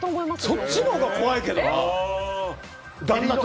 そっちのほうが怖いと思うけどな。